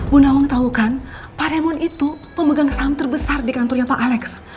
bu nawang tau kan pak raymond itu pemegang saham terbesar di kantornya pak alex